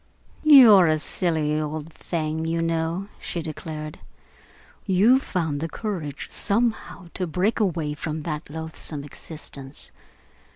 "You're a silly old thing, you know," she declared. "You found the courage, somehow, to break away from that loathsome existence.